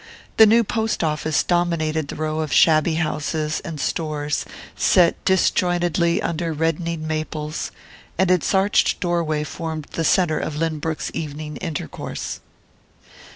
The new post office dominated the row of shabby houses and "stores" set disjointedly under reddening maples, and its arched doorway formed the centre of Lynbrook's evening intercourse.